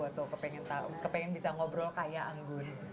waktu kepengen bisa ngobrol kayak anggun